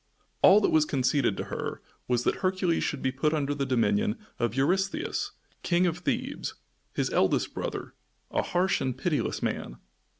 All that was conceded to her was that Hercules should be put under the dominion of Eurystheus, King of Thebes, his eldest brother, a harsh and pitiless man.